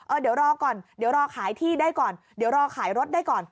เดี๋ยวรอก่อนเดี๋ยวรอขายที่ได้ก่อนเดี๋ยวรอขายรถได้ก่อน